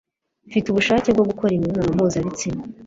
Mfite ubushake bwo gukora imibonano mpuzabitsina